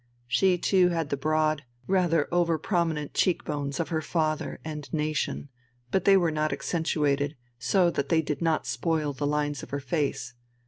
She too had the broad, rather over prominent cheek bones of her father and nation, but they were not accentuated, so that they did not spoil the lines of her face.